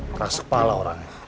keras kepala orangnya